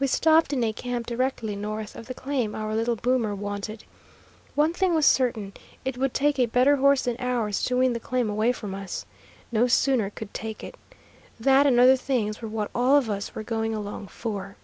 We stopped in a camp directly north of the claim our little boomer wanted. One thing was certain, it would take a better horse than ours to win the claim away from us. No sooner could take it. That and other things were what all of us were going along for.